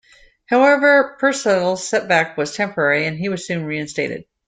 However, Pericles' setback was temporary and he was soon reinstated.